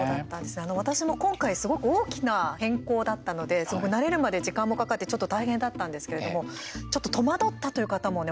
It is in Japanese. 私も今回すごく大きな変更だったので慣れるまで時間もかかってちょっと大変だったんですけれどもちょっと戸惑ったという方もね